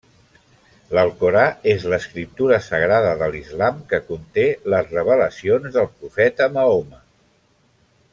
L'Alcorà és l'escriptura sagrada de l'Islam que conté les revelacions del profeta Mahoma.